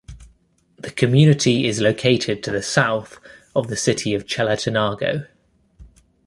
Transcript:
The community is located to the south of the city of Chalatenango.